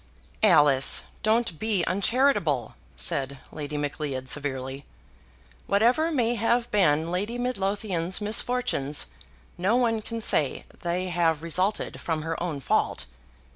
"Alice, don't be uncharitable," said Lady Macleod severely. "Whatever may have been Lady Midlothian's misfortunes no one can say they have resulted from her own fault."